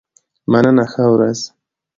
مننه ښه ورځ.